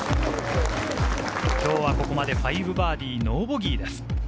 今日はここまで５バーディーノーボギーです。